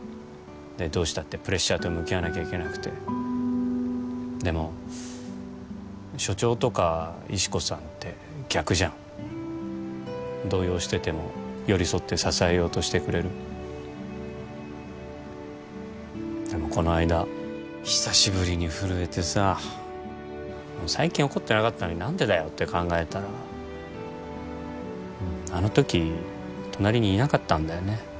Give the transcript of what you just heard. どうしたってプレッシャーと向き合わなきゃいけなくてでも所長とか石子さんって逆じゃん動揺してても寄り添って支えようとしてくれるでもこの間久しぶりに震えてさ最近起こってなかったのに何でだよ？って考えたらあの時隣にいなかったんだよね